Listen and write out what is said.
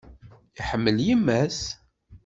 Iḥemmel yemma-s.